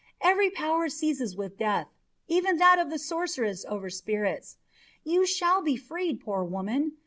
"Every power ceases with death, even that of the sorceress over spirits. You shall be freed, poor woman!